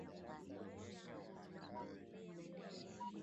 Mtoto akikosa viatamini A huweza kuambukizwa magonjwa kwa urahisi